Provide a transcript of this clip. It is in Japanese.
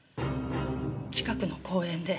近くの公園で。